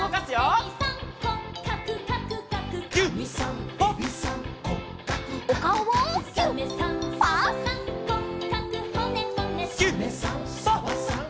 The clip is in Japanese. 「サメさんサバさん